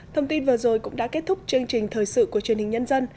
thông tin vừa rồi cũng đã kết thúc chương trình thời sự của truyền hình nhân dân